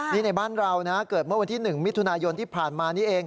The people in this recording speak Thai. นี่ในบ้านเรานะเกิดเมื่อวันที่๑มิถุนายนที่ผ่านมานี้เอง